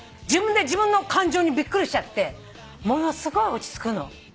自分で自分の感情にびっくりしちゃってものすごい落ち着くの。